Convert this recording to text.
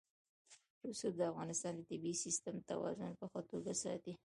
رسوب د افغانستان د طبعي سیسټم توازن په ښه توګه ساتي.